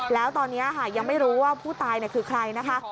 แล้วตอนนี้ยังไม่รู้ว่าผู้ตายคือใครนะคะ